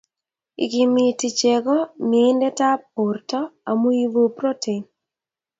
Ikimiti chego mieindatab borto amu ibu protein